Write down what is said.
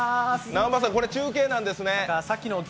南波さん、これは中継なんですね。